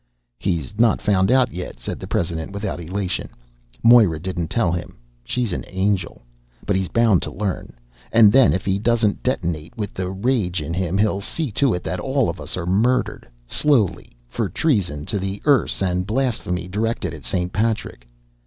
"He's not found out yet," said the president without elation. "Moira didn't tell him. She's an angel! But he's bound to learn. And then if he doesn't detonate with the rage in him, he'll see to it that all of us are murdered slowly, for treason to the Erse and blasphemy directed at St. Patrick."